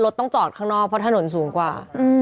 ต้องจอดข้างนอกเพราะถนนสูงกว่า